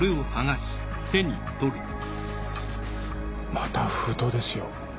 また封筒ですよ。